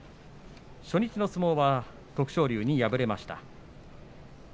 初日の相撲は徳勝龍に敗れました。